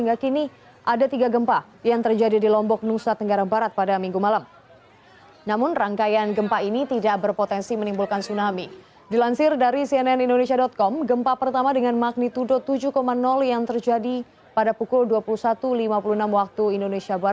gempa yang terjadi pada pukul dua puluh dua dengan magnetudo lima enam